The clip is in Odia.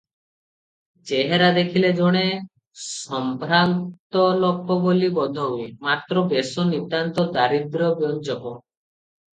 ଚେହେରା ଦେଖିଲେ ଜଣେ ସମ୍ଭ୍ରାନ୍ତ ଲୋକ ବୋଲି ବୋଧ ହୁଏ; ମାତ୍ର ବେଶ ନିତାନ୍ତ ଦାରିଦ୍ର୍ୟବ୍ୟଞ୍ଜକ ।